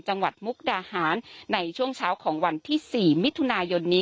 จังหวัดมุกดาหารในช่วงเช้าของวันที่สี่มิถุนายนนี้